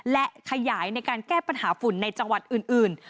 และขยายในการแก้ปัญหาฝุ่นในจังหวัดอื่น